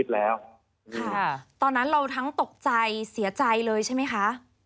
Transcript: แล้วตอนนั้นเราทั้งตกใจเสียใจเลยใช่ไหมคะ